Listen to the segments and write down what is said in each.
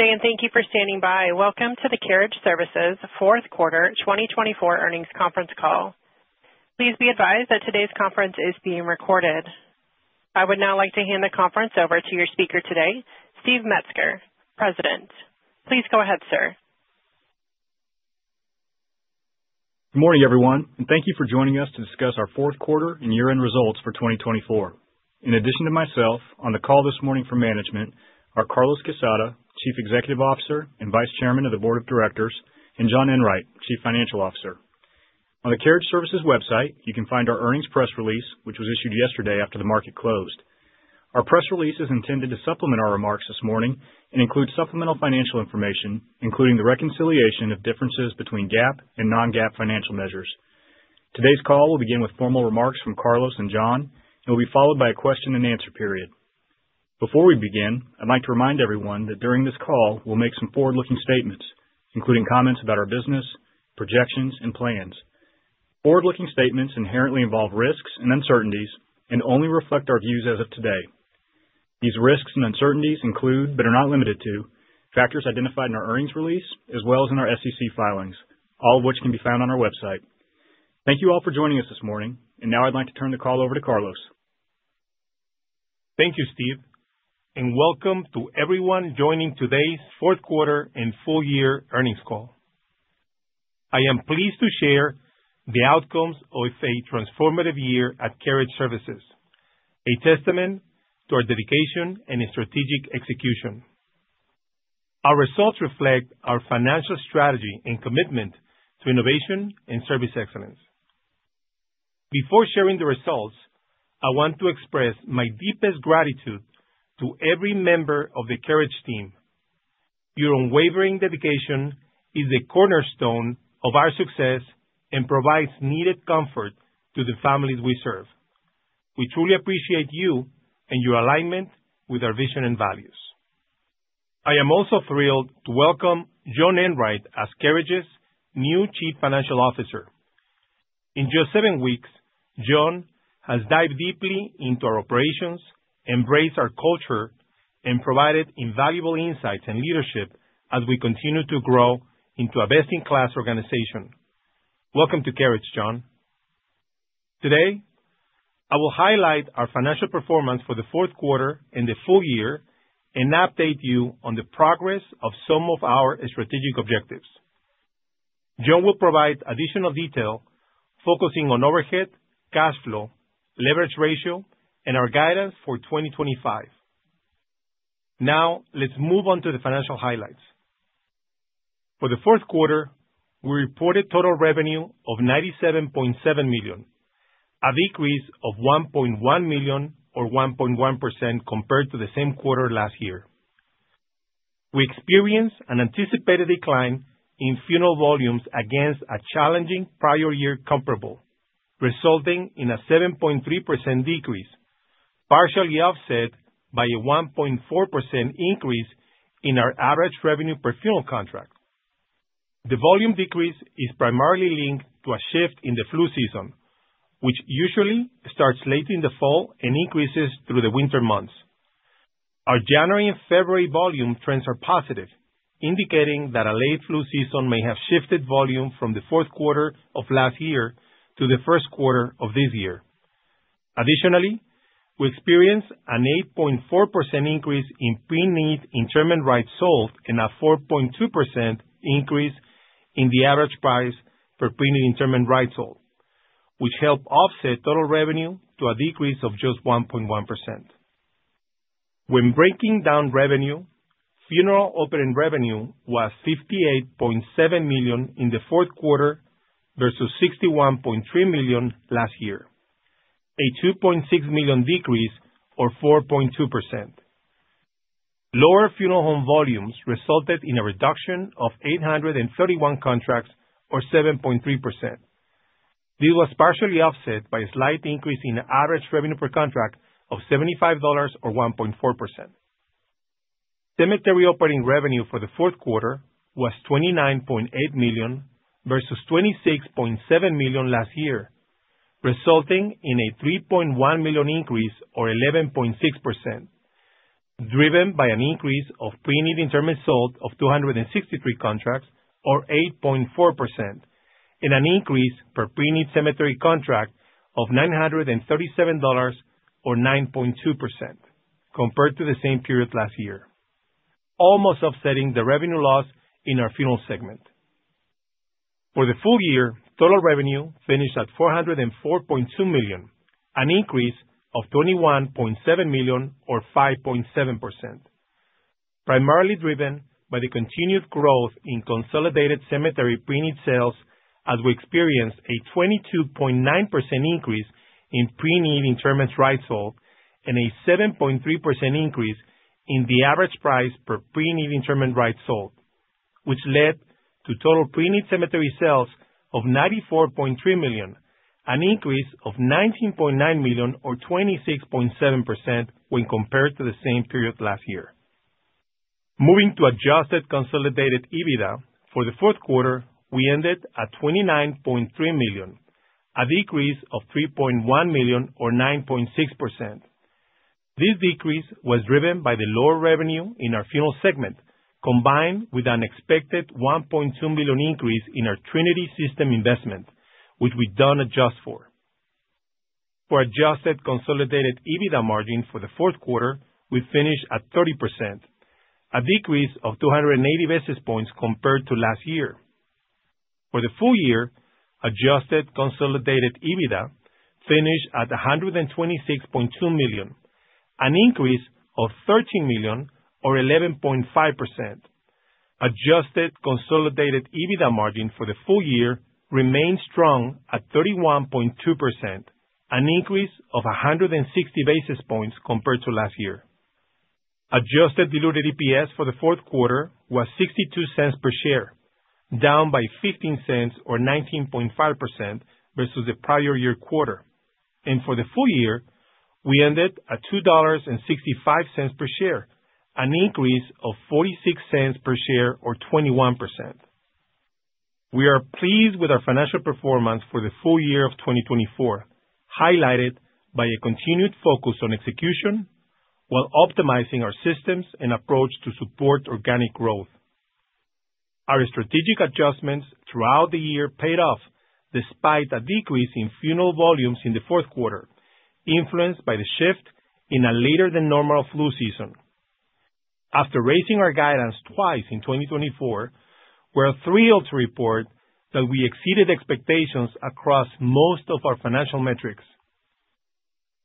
day and thank you for standing by. Welcome to the Carriage Services Fourth Quarter 2024 earnings conference call. Please be advised that today's conference is being recorded. I would now like to hand the conference over to your speaker today, Steve Metzger, President. Please go ahead, sir. Good morning, everyone, and thank you for joining us to discuss our fourth quarter and year-end results for 2024. In addition to myself, on the call this morning from management are Carlos Quezada, Chief Executive Officer and Vice Chairman of the Board of Directors, and John Enwright, Chief Financial Officer. On the Carriage Services website, you can find our earnings press release, which was issued yesterday after the market closed. Our press release is intended to supplement our remarks this morning and include supplemental financial information, including the reconciliation of differences between GAAP and non-GAAP financial measures. Today's call will begin with formal remarks from Carlos and John, and will be followed by a question-and-answer period. Before we begin, I'd like to remind everyone that during this call, we'll make some forward-looking statements, including comments about our business, projections, and plans. Forward-looking statements inherently involve risks and uncertainties and only reflect our views as of today. These risks and uncertainties include, but are not limited to, factors identified in our earnings release, as well as in our SEC filings, all of which can be found on our website. Thank you all for joining us this morning, and now I'd like to turn the call over to Carlos. Thank you, Steve, and welcome to everyone joining today's fourth quarter and full-year earnings call. I am pleased to share the outcomes of a transformative year at Carriage Services, a testament to our dedication and strategic execution. Our results reflect our financial strategy and commitment to innovation and service excellence. Before sharing the results, I want to express my deepest gratitude to every member of the Carriage team. Your unwavering dedication is the cornerstone of our success and provides needed comfort to the families we serve. We truly appreciate you and your alignment with our vision and values. I am also thrilled to welcome John Enwright as Carriage's new Chief Financial Officer. In just seven weeks, John has dived deeply into our operations, embraced our culture, and provided invaluable insights and leadership as we continue to grow into a best-in-class organization. Welcome to Carriage, John. Today, I will highlight our financial performance for the fourth quarter and the full year and update you on the progress of some of our strategic objectives. John will provide additional detail focusing on overhead, cash flow, leverage ratio, and our guidance for 2025. Now, let's move on to the financial highlights. For the fourth quarter, we reported total revenue of $97.7 million, a decrease of $1.1 million, or 1.1%, compared to the same quarter last year. We experienced an anticipated decline in funeral volumes against a challenging prior-year comparable, resulting in a 7.3% decrease, partially offset by a 1.4% increase in our average revenue per funeral contract. The volume decrease is primarily linked to a shift in the flu season, which usually starts late in the fall and increases through the winter months. Our January and February volume trends are positive, indicating that a late flu season may have shifted volume from the fourth quarter of last year to the first quarter of this year. Additionally, we experienced an 8.4% increase in preneed interment rights sold and a 4.2% increase in the average price per preneed interment rights sold, which helped offset total revenue to a decrease of just 1.1%. When breaking down revenue, funeral opening revenue was $58.7 million in the fourth quarter versus $61.3 million last year, a $2.6 million decrease, or 4.2%. Lower funeral home volumes resulted in a reduction of 831 contracts, or 7.3%. This was partially offset by a slight increase in the average revenue per contract of $75, or 1.4%. Cemetery operating revenue for the fourth quarter was $29.8 million versus $26.7 million last year, resulting in a $3.1 million increase, or 11.6%, driven by an increase of preneed interment sold of 263 contracts, or 8.4%, and an increase per preneed cemetery contract of $937, or 9.2%, compared to the same period last year, almost offsetting the revenue loss in our funeral segment. For the full year, total revenue finished at $404.2 million, an increase of $21.7 million, or 5.7%, primarily driven by the continued growth in consolidated cemetery pre-need sales as we experienced a 22.9% increase in pre-need interment rights sold and a 7.3% increase in the average price per pre-need interment rights sold, which led to total pre-need cemetery sales of $94.3 million, an increase of $19.9 million, or 26.7%, when compared to the same period last year. Moving to adjusted consolidated EBITDA, for the fourth quarter, we ended at $29.3 million, a decrease of $3.1 million, or 9.6%. This decrease was driven by the lower revenue in our funeral segment combined with an expected $1.2 million increase in our Project Trinity investment, which we don't adjust for. For adjusted consolidated EBITDA margin for the fourth quarter, we finished at 30%, a decrease of 280 basis points compared to last year. For the full year, adjusted consolidated EBITDA finished at $126.2 million, an increase of $13 million, or 11.5%. Adjusted consolidated EBITDA margin for the full year remained strong at 31.2%, an increase of 160 basis points compared to last year. Adjusted diluted EPS for the fourth quarter was $0.62 per share, down by $0.15, or 19.5%, versus the prior year quarter. And for the full year, we ended at $2.65 per share, an increase of $0.46 per share, or 21%. We are pleased with our financial performance for the full year of 2024, highlighted by a continued focus on execution while optimizing our systems and approach to support organic growth. Our strategic adjustments throughout the year paid off despite a decrease in funeral volumes in the fourth quarter, influenced by the shift in a later-than-normal flu season. After raising our guidance twice in 2024, we are thrilled to report that we exceeded expectations across most of our financial metrics.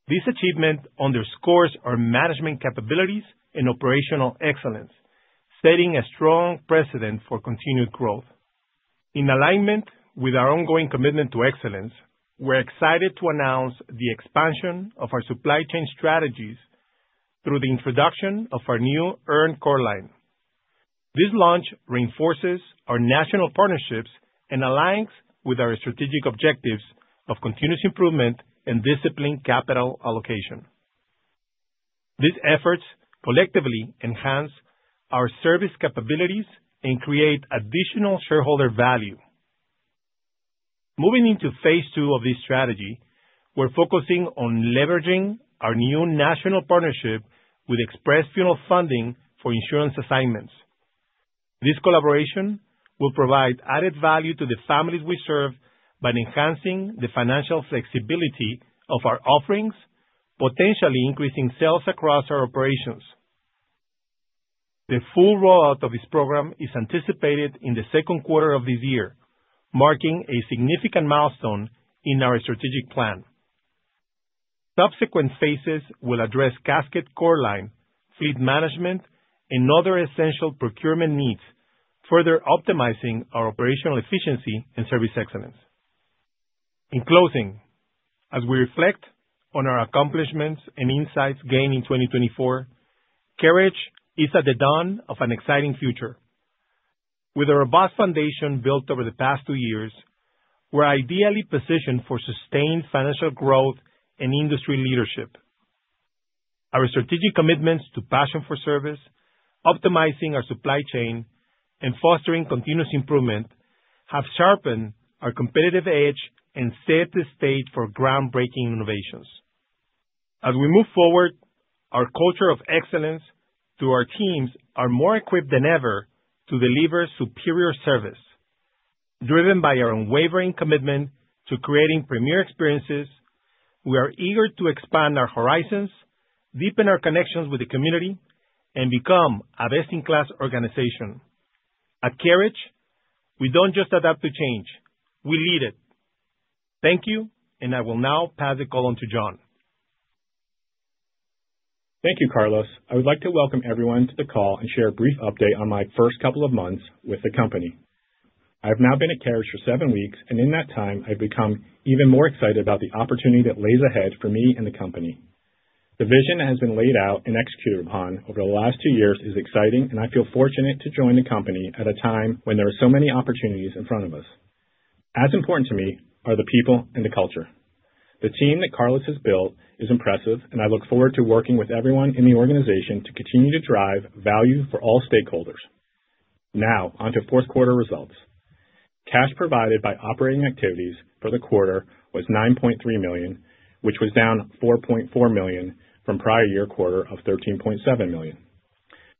This achievement underscores our management capabilities and operational excellence, setting a strong precedent for continued growth. In alignment with our ongoing commitment to excellence, we're excited to announce the expansion of our supply chain strategies through the introduction of our new Urn core line. This launch reinforces our national partnerships and aligns with our strategic objectives of continuous improvement and disciplined capital allocation. These efforts collectively enhance our service capabilities and create additional shareholder value. Moving into phase two of this strategy, we're focusing on leveraging our new national partnership with Express Funeral Funding for insurance assignments. This collaboration will provide added value to the families we serve by enhancing the financial flexibility of our offerings, potentially increasing sales across our operations. The full rollout of this program is anticipated in the second quarter of this year, marking a significant milestone in our strategic plan. Subsequent phases will address casket core line, fleet management, and other essential procurement needs, further optimizing our operational efficiency and service excellence. In closing, as we reflect on our accomplishments and insights gained in 2024, Carriage is at the dawn of an exciting future. With a robust foundation built over the past two years, we're ideally positioned for sustained financial growth and industry leadership. Our strategic commitments to passion for service, optimizing our supply chain, and fostering continuous improvement have sharpened our competitive edge and set the stage for groundbreaking innovations. As we move forward, our culture of excellence through our teams is more equipped than ever to deliver superior service. Driven by our unwavering commitment to creating premier experiences, we are eager to expand our horizons, deepen our connections with the community, and become a best-in-class organization. At Carriage, we don't just adapt to change. We lead it. Thank you, and I will now pass the call on to John. Thank you, Carlos. I would like to welcome everyone to the call and share a brief update on my first couple of months with the company. I have now been at Carriage for seven weeks, and in that time, I've become even more excited about the opportunity that lies ahead for me and the company. The vision that has been laid out and executed upon over the last two years is exciting, and I feel fortunate to join the company at a time when there are so many opportunities in front of us. As important to me are the people and the culture. The team that Carlos has built is impressive, and I look forward to working with everyone in the organization to continue to drive value for all stakeholders. Now, on to fourth quarter results. Cash provided by operating activities for the quarter was $9.3 million, which was down $4.4 million from prior year quarter of $13.7 million.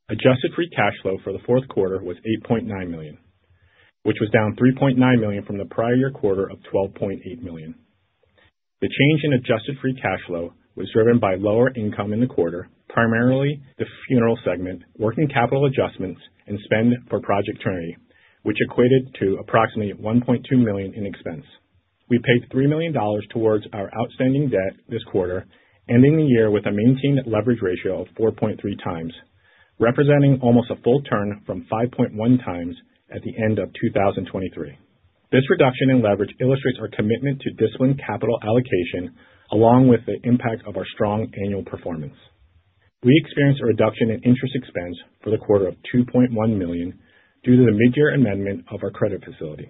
Adjusted Free Cash Flow for the fourth quarter was $8.9 million, which was down $3.9 million from the prior year quarter of $12.8 million. The change in Adjusted Free Cash Flow was driven by lower income in the quarter, primarily the funeral segment, working capital adjustments, and spend for Project Trinity, which equated to approximately $1.2 million in expense. We paid $3 million towards our outstanding debt this quarter, ending the year with a maintained Leverage Ratio of 4.3 times, representing almost a full turn from 5.1 times at the end of 2023. This reduction in leverage illustrates our commitment to disciplined capital allocation, along with the impact of our strong annual performance. We experienced a reduction in interest expense for the quarter of $2.1 million due to the mid-year amendment of our credit facility.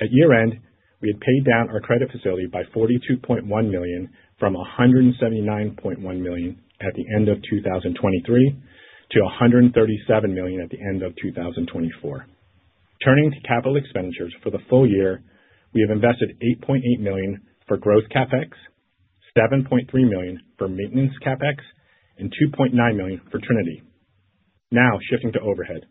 At year-end, we had paid down our credit facility by $42.1 million from $179.1 million at the end of 2023 to $137 million at the end of 2024. Turning to capital expenditures for the full year, we have invested $8.8 million for growth CapEx, $7.3 million for maintenance CapEx, and $2.9 million for Trinity. Now, shifting to overhead.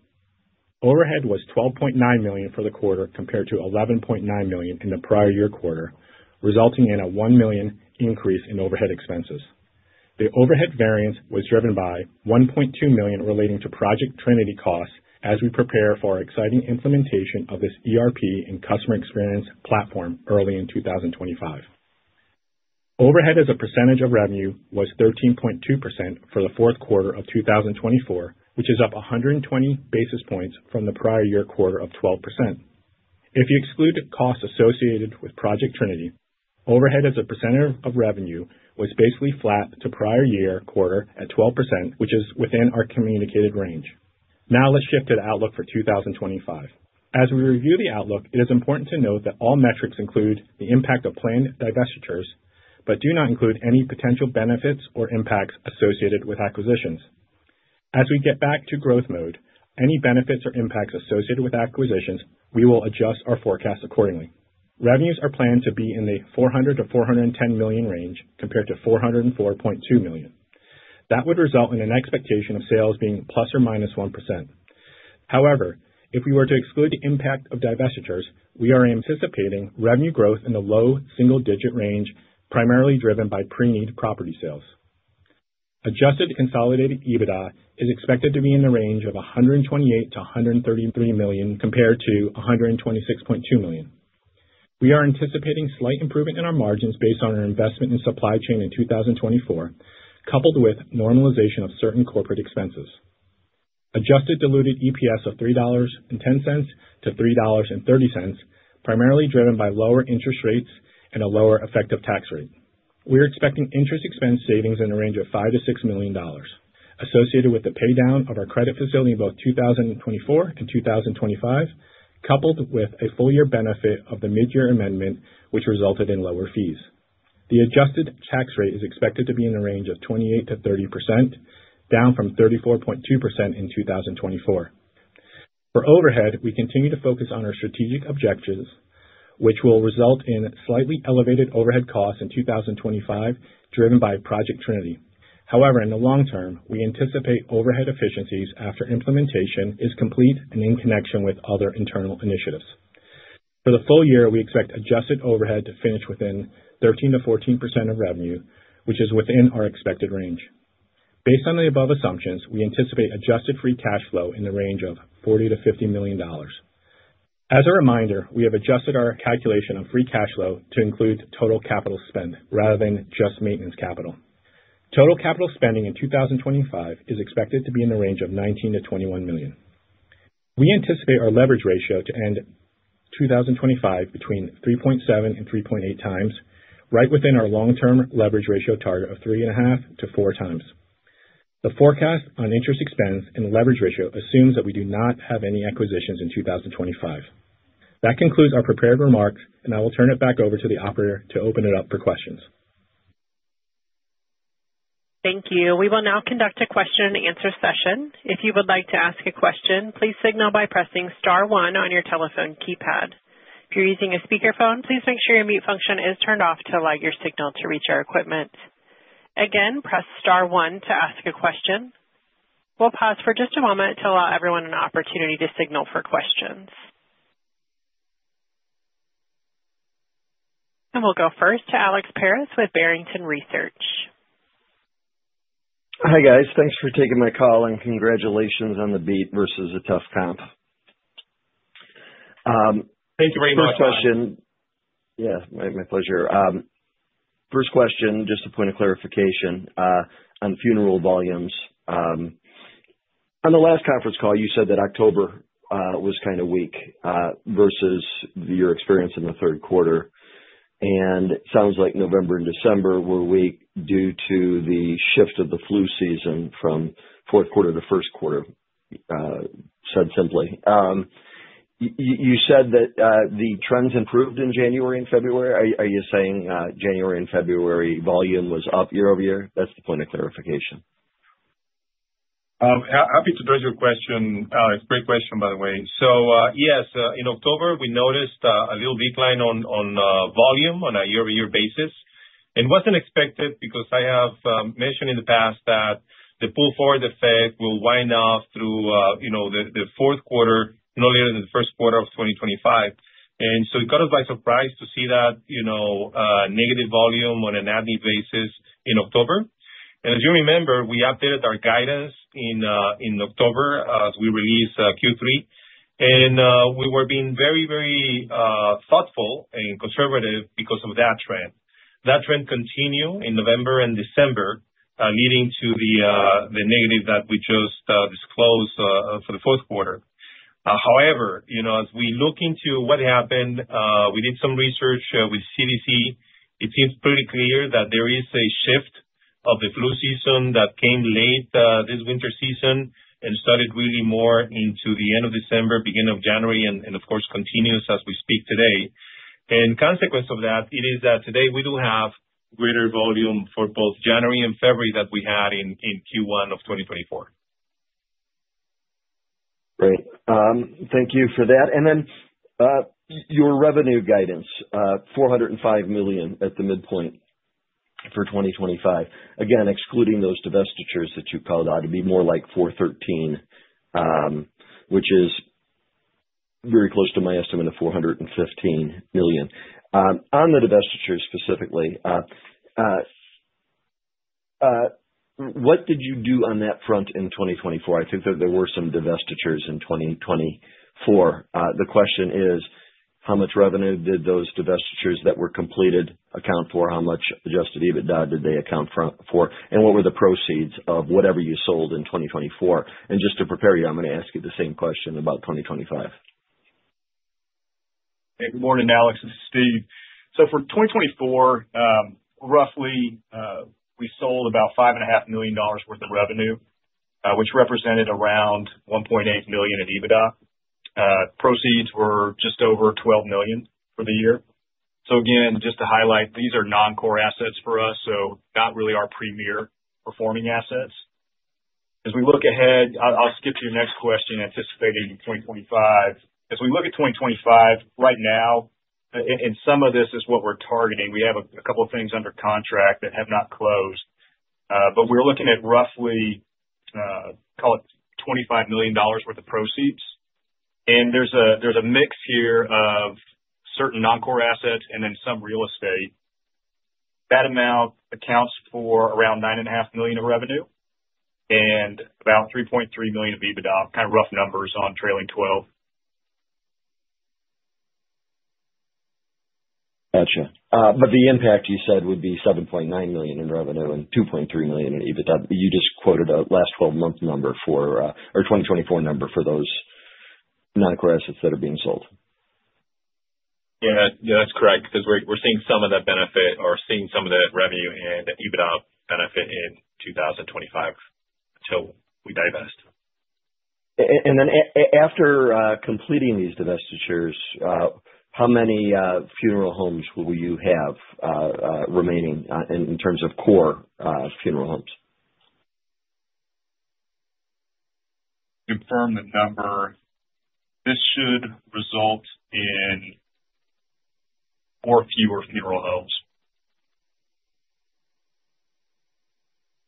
Overhead was $12.9 million for the quarter compared to $11.9 million in the prior year quarter, resulting in a $1 million increase in overhead expenses. The overhead variance was driven by $1.2 million relating to Project Trinity costs as we prepare for our exciting implementation of this ERP and customer experience platform early in 2025. Overhead as a percentage of revenue was 13.2% for the fourth quarter of 2024, which is up 120 basis points from the prior year quarter of 12%. If you exclude costs associated with Project Trinity, overhead as a percentage of revenue was basically flat to prior year quarter at 12%, which is within our communicated range. Now, let's shift to the outlook for 2025. As we review the outlook, it is important to note that all metrics include the impact of planned divestitures but do not include any potential benefits or impacts associated with acquisitions. As we get back to growth mode, any benefits or impacts associated with acquisitions, we will adjust our forecast accordingly. Revenues are planned to be in the $400-$410 million range compared to $404.2 million. That would result in an expectation of sales being plus or minus 1%. However, if we were to exclude the impact of divestitures, we are anticipating revenue growth in the low single-digit range, primarily driven by preneed property sales. Adjusted Consolidated EBITDA is expected to be in the range of $128-$133 million compared to $126.2 million. We are anticipating slight improvement in our margins based on our investment in supply chain in 2024, coupled with normalization of certain corporate expenses. Adjusted Diluted EPS of $3.10-$3.30, primarily driven by lower interest rates and a lower effective tax rate. We're expecting interest expense savings in the range of $5-$6 million associated with the paydown of our credit facility in both 2024 and 2025, coupled with a full-year benefit of the mid-year amendment, which resulted in lower fees. The adjusted tax rate is expected to be in the range of 28%-30%, down from 34.2% in 2024. For overhead, we continue to focus on our strategic objectives, which will result in slightly elevated overhead costs in 2025, driven by Project Trinity. However, in the long term, we anticipate overhead efficiencies after implementation is complete and in connection with other internal initiatives. For the full year, we expect adjusted overhead to finish within 13%-14% of revenue, which is within our expected range. Based on the above assumptions, we anticipate adjusted free cash flow in the range of $40-$50 million. As a reminder, we have adjusted our calculation of free cash flow to include total capital spend rather than just maintenance capital. Total capital spending in 2025 is expected to be in the range of $19-$21 million. We anticipate our leverage ratio to end 2025 between 3.7-3.8 times, right within our long-term leverage ratio target of 3.5-4 times. The forecast on interest expense and leverage ratio assumes that we do not have any acquisitions in 2025. That concludes our prepared remarks, and I will turn it back over to the operator to open it up for questions. Thank you. We will now conduct a question-and-answer session. If you would like to ask a question, please signal by pressing Star 1 on your telephone keypad. If you're using a speakerphone, please make sure your mute function is turned off to allow your signal to reach our equipment. Again, press Star 1 to ask a question. We'll pause for just a moment to allow everyone an opportunity to signal for questions. And we'll go first to Alex Paris with Barrington Research. Hi, guys. Thanks for taking my call and congratulations on the beat versus a tough comp. Thank you very much. First question. Yeah, my pleasure. First question, just a point of clarification on funeral volumes. On the last conference call, you said that October was kind of weak versus your experience in the third quarter. And it sounds like November and December were weak due to the shift of the flu season from fourth quarter to first quarter, said simply. You said that the trends improved in January and February. Are you saying January and February volume was up year over year? That's the point of clarification. Happy to address your question. It's a great question, by the way, so yes, in October, we noticed a little decline on volume on a year-over-year basis. It wasn't expected because I have mentioned in the past that the pull forward effect will wind off through the fourth quarter, no later than the first quarter of 2025, and so it caught us by surprise to see that negative volume on an annual basis in October, and as you remember, we updated our guidance in October as we released Q3, and we were being very, very thoughtful and conservative because of that trend. That trend continued in November and December, leading to the negative that we just disclosed for the fourth quarter. However, as we look into what happened, we did some research with CDC. It seems pretty clear that there is a shift of the flu season that came late this winter season and started really more into the end of December, beginning of January, and of course, continues as we speak today. The consequence of that is that today we do have greater volume for both January and February than we had in Q1 of 2024. Great. Thank you for that. And then your revenue guidance, $405 million at the midpoint for 2025. Again, excluding those divestitures that you called out, it'd be more like $413 million, which is very close to my estimate of $415 million. On the divestitures specifically, what did you do on that front in 2024? I think that there were some divestitures in 2024. The question is, how much revenue did those divestitures that were completed account for? How much adjusted EBITDA did they account for? And what were the proceeds of whatever you sold in 2024? And just to prepare you, I'm going to ask you the same question about 2025. Hey, good morning, Alex. This is Steve. So for 2024, roughly, we sold about $5.5 million worth of revenue, which represented around $1.8 million in EBITDA. Proceeds were just over $12 million for the year. So again, just to highlight, these are non-core assets for us, so not really our premier performing assets. As we look ahead, I'll skip to your next question, anticipating 2025. As we look at 2025, right now, and some of this is what we're targeting, we have a couple of things under contract that have not closed. But we're looking at roughly, call it $25 million worth of proceeds. And there's a mix here of certain non-core assets and then some real estate. That amount accounts for around $9.5 million of revenue and about $3.3 million of EBITDA, kind of rough numbers on trailing 12. Gotcha. But the impact you said would be $7.9 million in revenue and $2.3 million in EBITDA. You just quoted a last 12-month number, or 2024 number, for those non-core assets that are being sold. Yeah, that's correct because we're seeing some of that benefit, we're seeing some of that revenue and EBITDA benefit in 2025 until we divest. After completing these divestitures, how many funeral homes will you have remaining in terms of core funeral homes? Confirm the number. This should result in more or fewer funeral homes.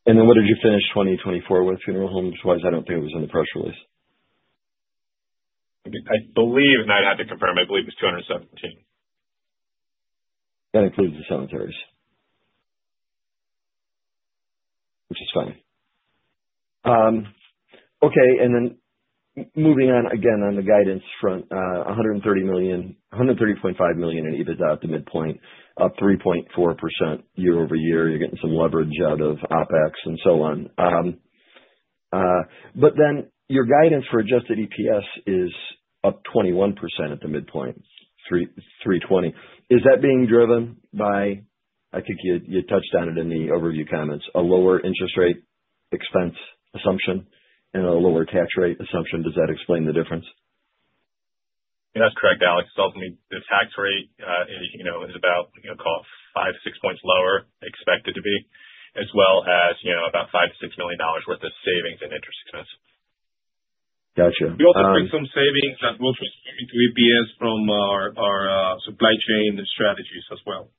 What did you finish 2024 with funeral homes-wise? I don't think it was in the press release. I believe, and I'd have to confirm, I believe it was 217. That includes the cemeteries, which is fine. Okay. And then moving on again on the guidance front, $130.5 million in EBITDA at the midpoint, up 3.4% year over year. You're getting some leverage out of OpEx and so on. But then your guidance for adjusted EPS is up 21% at the midpoint, $3.20. Is that being driven by, I think you touched on it in the overview comments, a lower interest rate expense assumption and a lower tax rate assumption? Does that explain the difference? That's correct, Alex. The tax rate is about, call it, five-six points lower expected to be, as well as about $5-$6 million worth of savings in interest expense. Gotcha. We also bring some savings that will transmit into EPS from our supply chain strategies as well.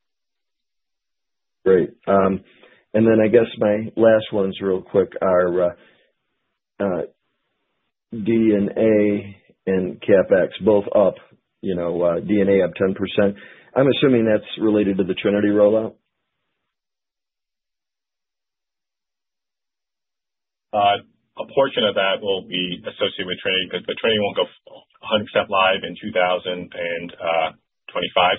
Great. And then I guess my last ones real quick are D&A and CapEx, both up, D&A up 10%. I'm assuming that's related to the Trinity rollout? A portion of that will be associated with Trinity because the Trinity won't go 100% live in 2025,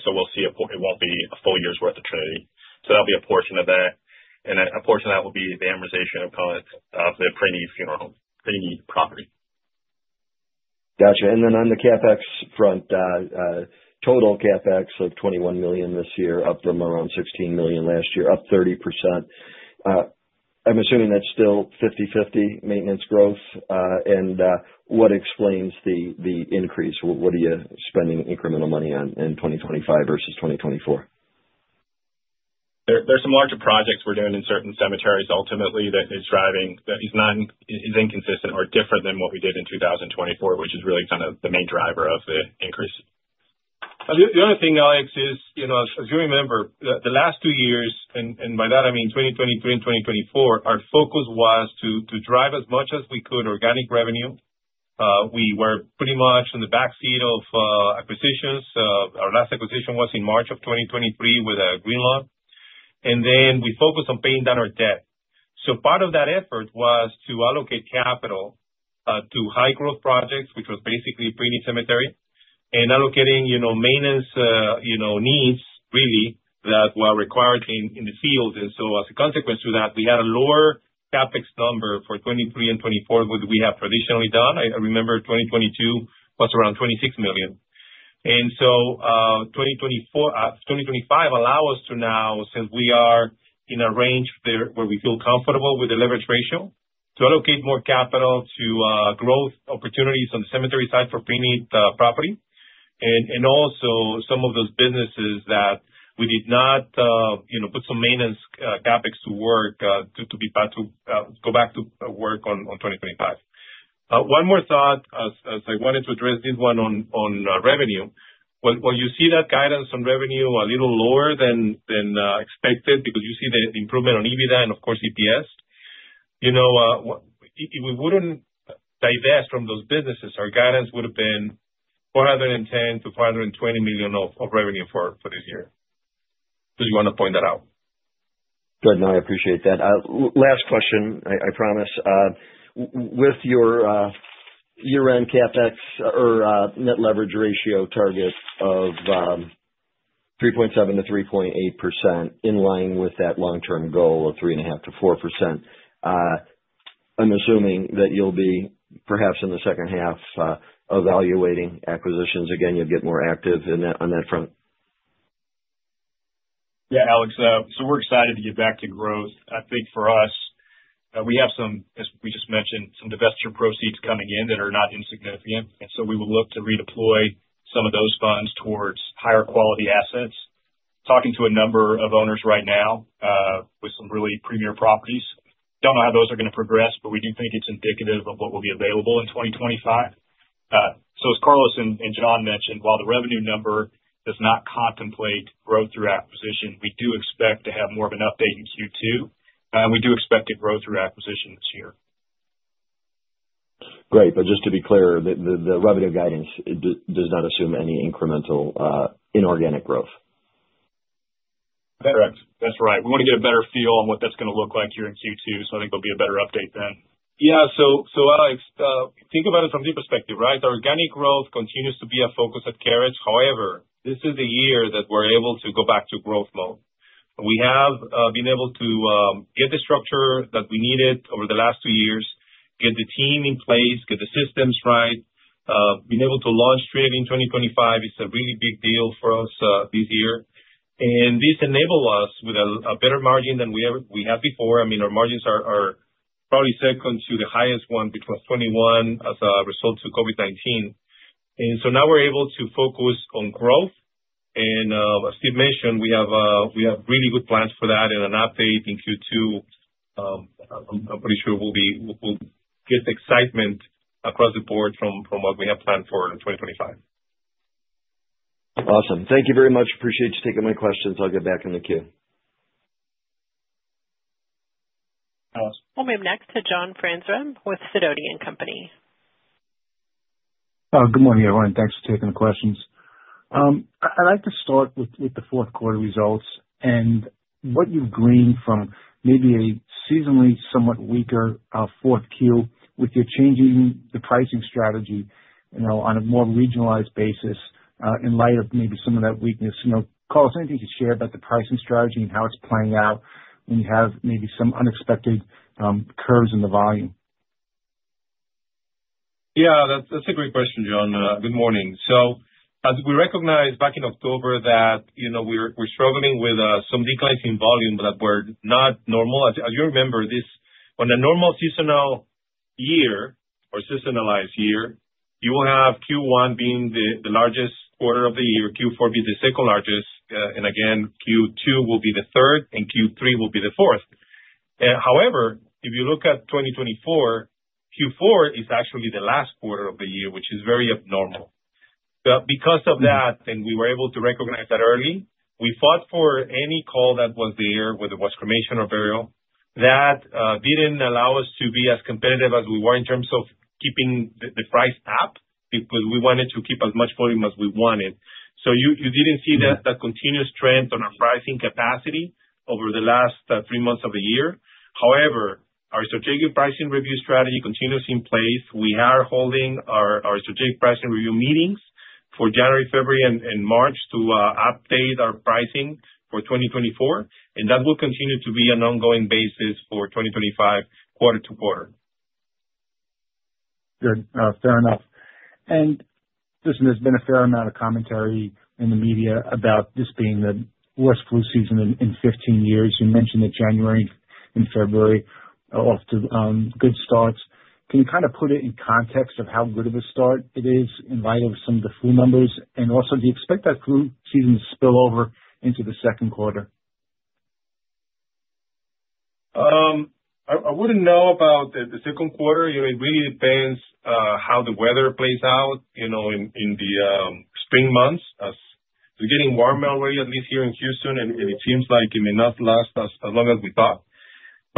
so we'll see it won't be a full year's worth of Trinity, so that'll be a portion of that, and a portion of that will be the amortization of the Trinity property. Gotcha. And then on the CapEx front, total CapEx of $21 million this year, up from around $16 million last year, up 30%. I'm assuming that's still 50/50 maintenance growth. And what explains the increase? What are you spending incremental money on in 2025 versus 2024? There's some larger projects we're doing in certain cemeteries ultimately that is driving that is inconsistent or different than what we did in 2024, which is really kind of the main driver of the increase. The other thing, Alex, is, as you remember, the last two years, and by that I mean 2023 and 2024, our focus was to drive as much as we could organic revenue. We were pretty much in the backseat of acquisitions. Our last acquisition was in March of 2023 with Greenlawn, and then we focused on paying down our debt. So part of that effort was to allocate capital to high-growth projects, which was basically preneed cemetery and allocating maintenance needs, really, that were required in the field. And so as a consequence to that, we had a lower CapEx number for 2023 and 2024 than we have traditionally done. I remember 2022 was around $26 million. 2025 allows us to now, since we are in a range where we feel comfortable with the leverage ratio, to allocate more capital to growth opportunities on the cemetery side for preneed property. Also some of those businesses that we did not put some maintenance CapEx to work to go back to work on 2025. One more thought as I wanted to address this one on revenue. You see that guidance on revenue a little lower than expected because you see the improvement on EBITDA and, of course, EPS. If we wouldn't divest from those businesses, our guidance would have been $410-$420 million of revenue for this year. Did you want to point that out? Good. No, I appreciate that. Last question, I promise. With your year-end CapEx or net leverage ratio target of 3.7%-3.8% in line with that long-term goal of 3.5%-4%, I'm assuming that you'll be perhaps in the second half evaluating acquisitions. Again, you'll get more active on that front. Yeah, Alex. So we're excited to get back to growth. I think for us, we have some, as we just mentioned, some divestiture proceeds coming in that are not insignificant. And so we will look to redeploy some of those funds towards higher quality assets. Talking to a number of owners right now with some really premier properties. Don't know how those are going to progress, but we do think it's indicative of what will be available in 2025. So as Carlos and John mentioned, while the revenue number does not contemplate growth through acquisition, we do expect to have more of an update in Q2. And we do expect to grow through acquisition this year. Great. But just to be clear, the revenue guidance does not assume any incremental inorganic growth. That's correct. That's right. We want to get a better feel on what that's going to look like here in Q2, so I think there'll be a better update then. Yeah, so Alex, think about it from this perspective, right? The organic growth continues to be a focus at Carriage. However, this is the year that we're able to go back to growth mode. We have been able to get the structure that we needed over the last two years, get the team in place, get the systems right. Being able to launch Trinity in 2025 is a really big deal for us this year, and this enabled us with a better margin than we had before. I mean, our margins are probably second to the highest one since 2021 as a result of COVID-19, and so now we're able to focus on growth. As Steve mentioned, we have really good plans for that. An update in Q2, I'm pretty sure we'll get excitement across the board from what we have planned for in 2025. Awesome. Thank you very much. Appreciate you taking my questions. I'll get back in the queue. Hello. I'll move next to John Franzreb with Sidoti & Company. Good morning, everyone. Thanks for taking the questions. I'd like to start with the fourth quarter results and what you've gleaned from maybe a seasonally somewhat weaker fourth Q with your changing the pricing strategy on a more regionalized basis in light of maybe some of that weakness. Carl, if anything you could share about the pricing strategy and how it's playing out when you have maybe some unexpected curves in the volume? Yeah, that's a great question, John. Good morning. So as we recognized back in October that we're struggling with some declines in volume that were not normal. As you remember, on a normal seasonal year or seasonalized year, you will have Q1 being the largest quarter of the year, Q4 being the second largest, and again, Q2 will be the third, and Q3 will be the fourth. However, if you look at 2024, Q4 is actually the last quarter of the year, which is very abnormal. But because of that, and we were able to recognize that early, we fought for any call that was there whether it was cremation or burial. That didn't allow us to be as competitive as we were in terms of keeping the price up because we wanted to keep as much volume as we wanted. So you didn't see that continuous trend on our pricing capacity over the last three months of the year. However, our strategic pricing review strategy continues in place. We are holding our strategic pricing review meetings for January, February, and March to update our pricing for 2024. And that will continue to be an ongoing basis for 2025, quarter to quarter. Good. Fair enough. And there's been a fair amount of commentary in the media about this being the worst flu season in 15 years. You mentioned that January and February are off to good starts. Can you kind of put it in context of how good of a start it is in light of some of the flu numbers? And also, do you expect that flu season to spill over into the second quarter? I wouldn't know about the second quarter. It really depends how the weather plays out in the spring months. It's getting warmer already, at least here in Houston, and it seems like it may not last as long as we thought.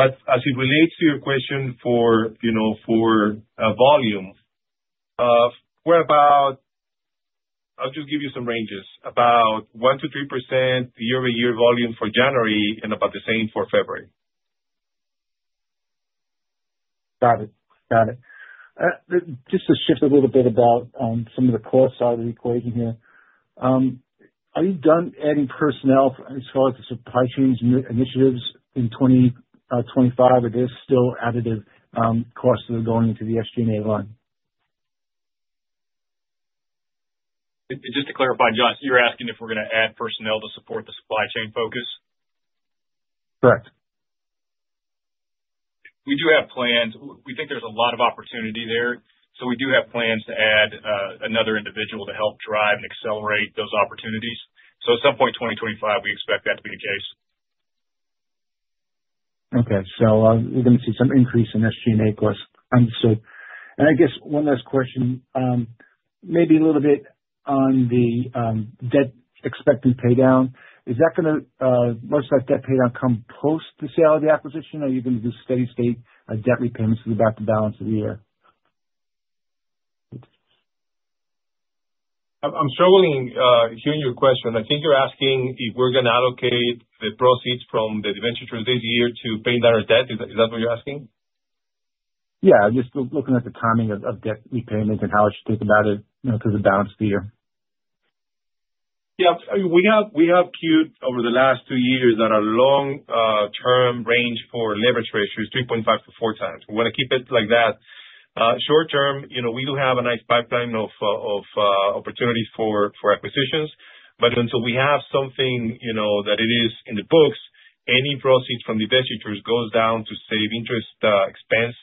But as it relates to your question for volume, we're about. I'll just give you some ranges, about 1%-3% year-over-year volume for January and about the same for February. Got it. Got it. Just to shift a little bit about some of the cost side of the equation here. Are you done adding personnel as far as the supply chain initiatives in 2025? Are there still additive costs that are going into the SG&A line? Just to clarify, John, you're asking if we're going to add personnel to support the supply chain focus? Correct. We do have plans. We think there's a lot of opportunity there. So we do have plans to add another individual to help drive and accelerate those opportunities. So at some point in 2025, we expect that to be the case. Okay. So we're going to see some increase in SG&A costs. Understood. And I guess one last question, maybe a little bit on the debt expected paydown. Is that going to most of that debt paydown come post the sale of the acquisition? Are you going to do steady-state debt repayments through about the balance of the year? I'm struggling hearing your question. I think you're asking if we're going to allocate the proceeds from the divestiture this year to pay down our debt. Is that what you're asking? Yeah. Just looking at the timing of debt repayment and how I should think about it through the balance of the year. Yeah. We have achieved over the last two years our long-term range for leverage ratios, 3.5-4 times. We want to keep it like that. Short term, we do have a nice pipeline of opportunities for acquisitions. But until we have something that is in the books, any proceeds from divestitures goes down to save interest expense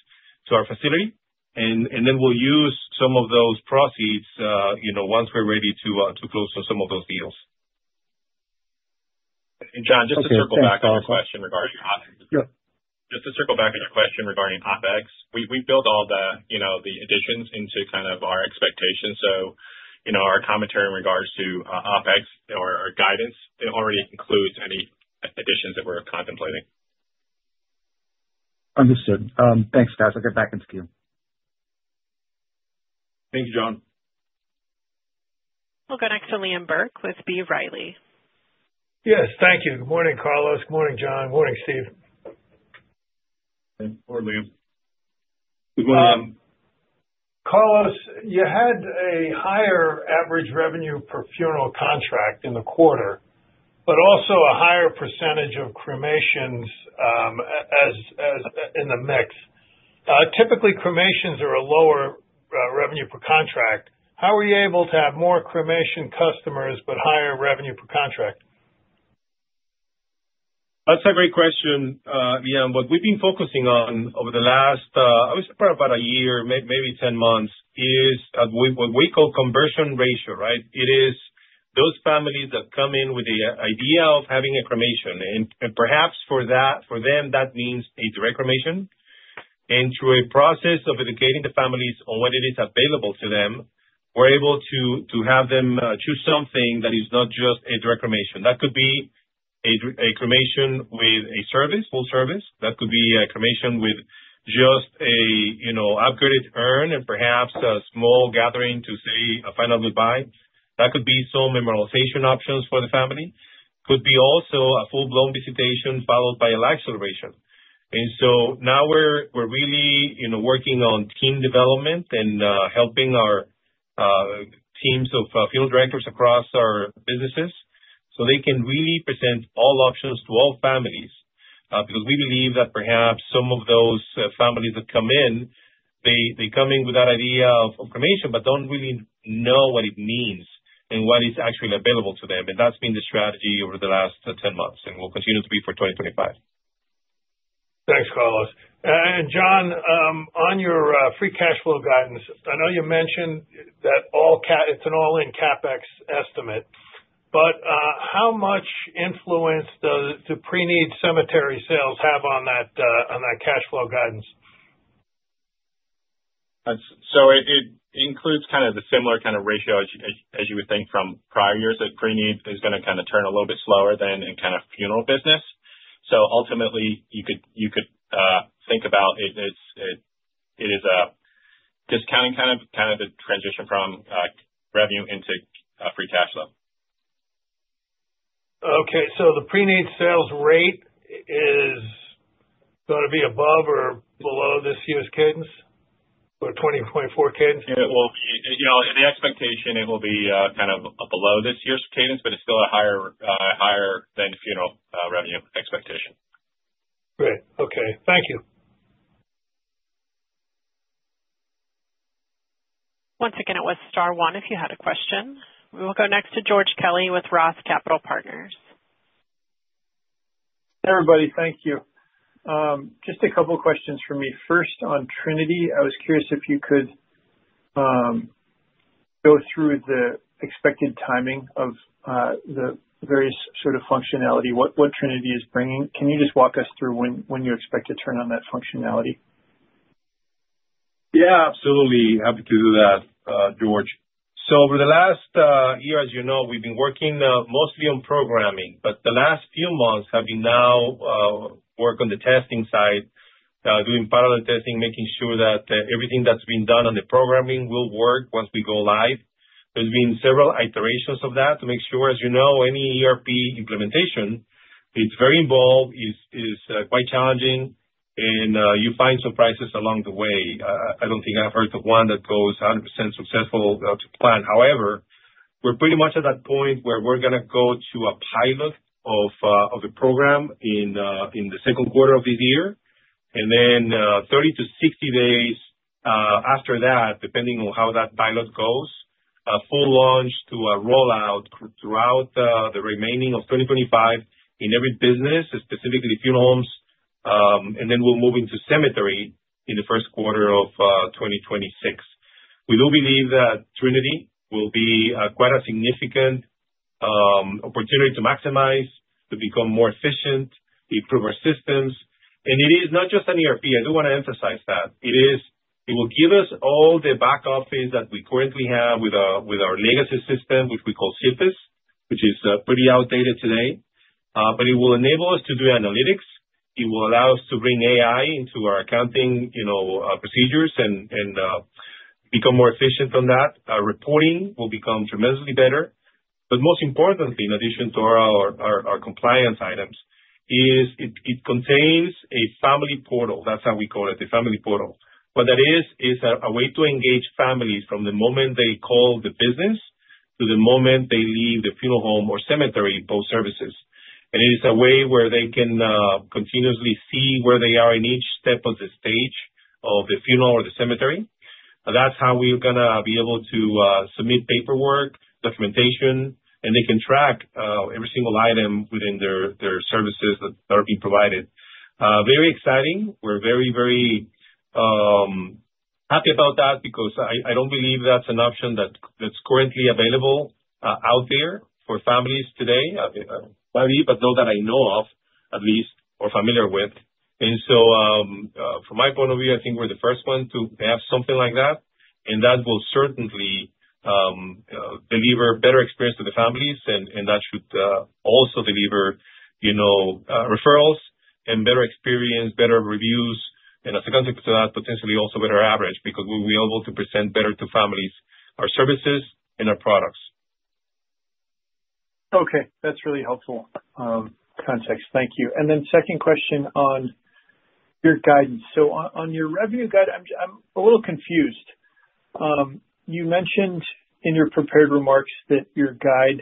on our facility. And then we'll use some of those proceeds once we're ready to close on some of those deals. And John, just to circle back to your question regarding OpEx. Yeah. Just to circle back on your question regarding OpEx, we build all the additions into kind of our expectations. So our commentary in regards to OpEx or our guidance already includes any additions that we're contemplating. Understood. Thanks, guys. I'll get back into queue. Thank you, John. Welcome back to Liam Burke with B. Riley. Yes. Thank you. Good morning, Carlos. Good morning, John. Good morning, Steve. Good morning, Liam. Good morning, John. Carlos, you had a higher average revenue per funeral contract in the quarter, but also a higher percentage of cremations in the mix. Typically, cremations are a lower revenue per contract. How are you able to have more cremation customers but higher revenue per contract? That's a great question, Liam. What we've been focusing on over the last, I would say, probably about a year, maybe 10 months, is what we call conversion ratio, right? It is those families that come in with the idea of having a cremation. And perhaps for them, that means a direct cremation. And through a process of educating the families on what is available to them, we're able to have them choose something that is not just a direct cremation. That could be a cremation with a service, full service. That could be a cremation with just an upgraded urn and perhaps a small gathering to say a final goodbye. That could be some memorialization options for the family. Could be also a full-blown visitation followed by a life celebration. And so now we're really working on team development and helping our teams of funeral directors across our businesses so they can really present all options to all families. Because we believe that perhaps some of those families that come in, they come in with that idea of cremation but don't really know what it means and what is actually available to them. And that's been the strategy over the last 10 months, and will continue to be for 2025. Thanks, Carlos. And John, on your free cash flow guidance, I know you mentioned that it's an all-in CapEx estimate. But how much influence does the pre-need cemetery sales have on that cash flow guidance? So it includes kind of the similar kind of ratio as you would think from prior years that pre-need is going to kind of turn a little bit slower than in kind of funeral business. So ultimately, you could think about it as it is a discounting kind of a transition from revenue into free cash flow. Okay, so the pre-need sales rate is going to be above or below this year's cadence or 2024 cadence? It will be. The expectation, it will be kind of below this year's cadence, but it's still higher than funeral revenue expectation. Great. Okay. Thank you. Once again, it was Star One if you had a question. We will go next to George Kelly with Roth Capital Partners. Hey, everybody. Thank you. Just a couple of questions for me. First, on Trinity, I was curious if you could go through the expected timing of the various sort of functionality, what Trinity is bringing. Can you just walk us through when you expect to turn on that functionality? Yeah, absolutely. Happy to do that, George. So over the last year, as you know, we've been working mostly on programming. But the last few months, I've been now working on the testing side, doing parallel testing, making sure that everything that's been done on the programming will work once we go live. There's been several iterations of that to make sure, as you know, any ERP implementation, it's very involved, is quite challenging, and you find surprises along the way. I don't think I've heard of one that goes 100% successful to plan. However, we're pretty much at that point where we're going to go to a pilot of the program in the second quarter of this year. And then 30-60 days after that, depending on how that pilot goes, a full launch to a rollout throughout the remaining of 2025 in every business, specifically funeral homes. We'll move into cemetery in the first quarter of 2026. We do believe that Trinity will be quite a significant opportunity to maximize, to become more efficient, improve our systems. It is not just an ERP. I do want to emphasize that. It will give us all the back office that we currently have with our legacy system, which we call CPAS, which is pretty outdated today. It will enable us to do analytics. It will allow us to bring AI into our accounting procedures and become more efficient on that. Reporting will become tremendously better. Most importantly, in addition to our compliance items, it contains a Family Portal. That's how we call it, the Family Portal. What that is, is a way to engage families from the moment they call the business to the moment they leave the funeral home or cemetery post-services. It is a way where they can continuously see where they are in each step of the stage of the funeral or the cemetery. That's how we're going to be able to submit paperwork, documentation, and they can track every single item within their services that are being provided. Very exciting. We're very, very happy about that because I don't believe that's an option that's currently available out there for families today, maybe, but not that I know of, at least, or familiar with. So from my point of view, I think we're the first one to have something like that. That will certainly deliver a better experience to the families. That should also deliver referrals and better experience, better reviews. As a consequence of that, potentially also better average because we'll be able to present better to families our services and our products. Okay. That's really helpful context. Thank you. And then second question on your guidance. So on your revenue guide, I'm a little confused. You mentioned in your prepared remarks that your guide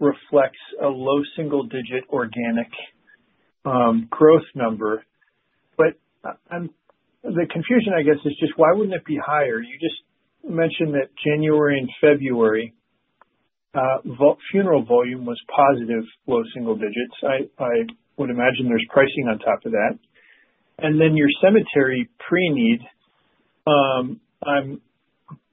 reflects a low single-digit organic growth number. But the confusion, I guess, is just why wouldn't it be higher? You just mentioned that January and February funeral volume was positive, low single digits. I would imagine there's pricing on top of that. And then your cemetery pre-need, I'm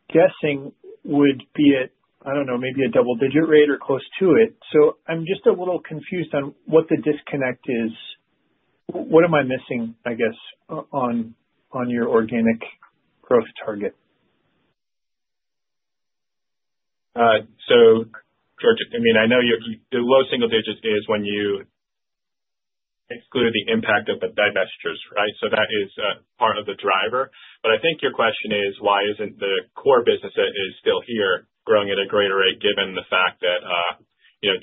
guessing, would be at, I don't know, maybe a double-digit rate or close to it. So I'm just a little confused on what the disconnect is. What am I missing, I guess, on your organic growth target? George, I mean, I know the low single digits is when you exclude the impact of the divestitures, right? That is part of the driver. But I think your question is, why isn't the core business that is still here growing at a greater rate given the fact that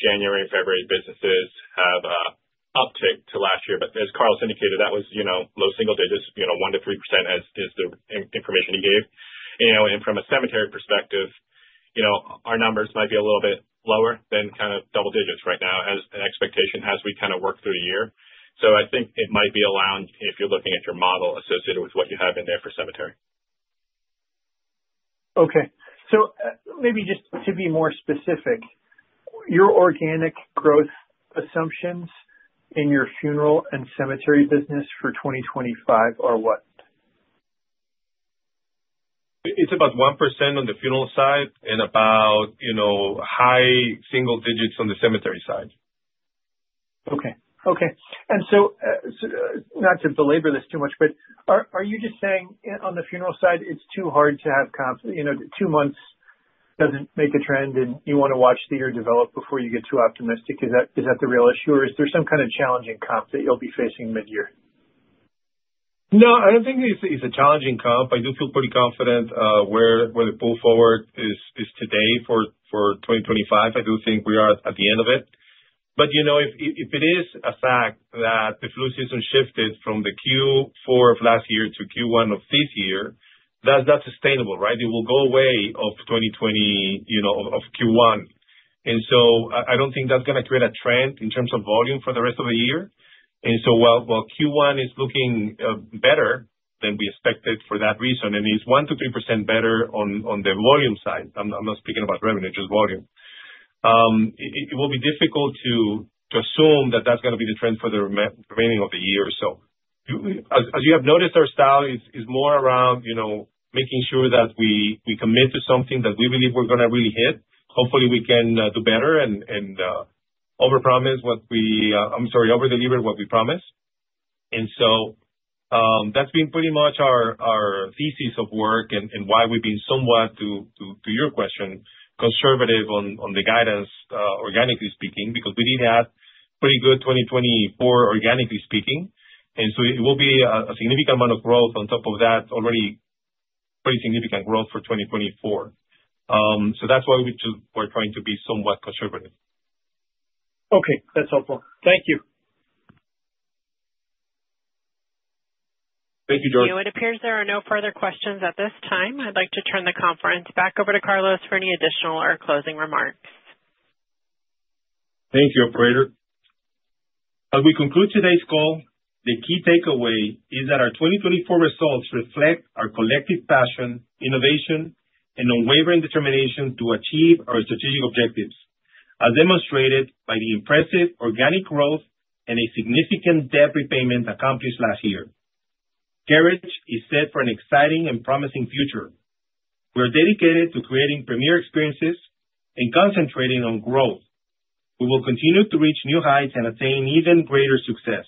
January and February businesses have uptick to last year? But as Carlos indicated, that was low single digits, 1%-3% is the information he gave. And from a cemetery perspective, our numbers might be a little bit lower than kind of double digits right now as an expectation as we kind of work through the year. I think it might be around if you're looking at your model associated with what you have in there for cemetery. Okay. So maybe just to be more specific, your organic growth assumptions in your funeral and cemetery business for 2025 are what? It's about 1% on the funeral side and about high single digits on the cemetery side. And so not to belabor this too much, but are you just saying on the funeral side, it's too hard to have comps? Two months doesn't make a trend, and you want to watch the year develop before you get too optimistic. Is that the real issue, or is there some kind of challenging comp that you'll be facing midyear? No, I don't think it's a challenging comp. I do feel pretty confident where the pull forward is today for 2025. I do think we are at the end of it. But if it is a fact that the flu season shifted from the Q4 of last year to Q1 of this year, that's not sustainable, right? It will go away after Q1. And so I don't think that's going to create a trend in terms of volume for the rest of the year. And so while Q1 is looking better than we expected for that reason, and it's 1%-3% better on the volume side, I'm not speaking about revenue, just volume, it will be difficult to assume that that's going to be the trend for the remaining of the year. So, as you have noticed, our style is more around making sure that we commit to something that we believe we're going to really hit. Hopefully, we can do better and over-promise what we, I'm sorry, over-deliver what we promise. And so that's been pretty much our thesis of work and why we've been somewhat, to your question, conservative on the guidance, organically speaking, because we did have pretty good 2024, organically speaking. And so it will be a significant amount of growth on top of that, already pretty significant growth for 2024. So that's why we're trying to be somewhat conservative. Okay. That's helpful. Thank you. Thank you, George. Steve, it appears there are no further questions at this time. I'd like to turn the conference back over to Carlos for any additional or closing remarks. Thank you, Operator. As we conclude today's call, the key takeaway is that our 2024 results reflect our collective passion, innovation, and unwavering determination to achieve our strategic objectives, as demonstrated by the impressive organic growth and a significant debt repayment accomplished last year. Carriage is set for an exciting and promising future. We are dedicated to creating premier experiences and concentrating on growth. We will continue to reach new heights and attain even greater success.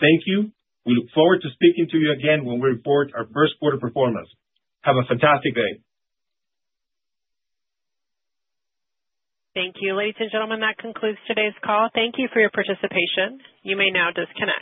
Thank you. We look forward to speaking to you again when we report our first quarter performance. Have a fantastic day. Thank you. Ladies and gentlemen, that concludes today's call. Thank you for your participation. You may now disconnect.